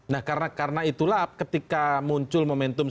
nah karena itulah ketika muncul momentum